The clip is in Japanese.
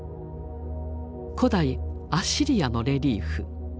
古代アッシリアのレリーフ。